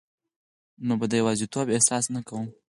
نو به د یوازیتوب احساس نه کوم